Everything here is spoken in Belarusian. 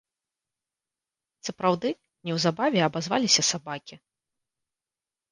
Сапраўды, неўзабаве абазваліся сабакі.